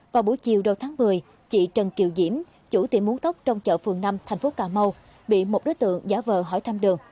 vào buổi chiều đầu tháng một mươi chị trần kiều diễm chủ tiệm muốn tóc trong chợ phường năm thành phố cà mau bị một đối tượng giả vờ hỏi thăm đường